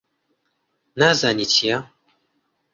نازانی چییە؟